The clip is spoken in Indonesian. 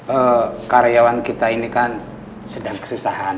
ya karyawan kita ini kan sedang kesusahan